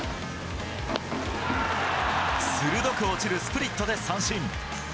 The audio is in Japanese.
鋭く落ちるスプリットで三振。